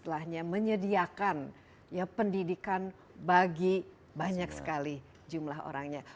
telah menyediakan pendidikan bagi banyak sekali jumlah orangnya